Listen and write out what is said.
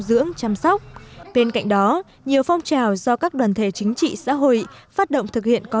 dưỡng chăm sóc bên cạnh đó nhiều phong trào do các đoàn thể chính trị xã hội phát động thực hiện có